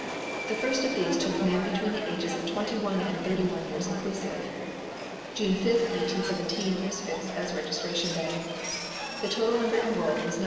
The first of these took men between the ages of twenty one and thirty one years inclusive. June 5, 1917, was fixed as registration day. The total number enrolled was 9,586,508.